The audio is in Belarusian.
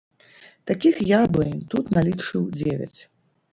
Такіх яблынь тут налічыў дзевяць.